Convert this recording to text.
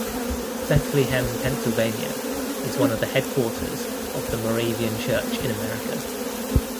Bethlehem, Pennsylvania, is one of the headquarters of the Moravian Church in America.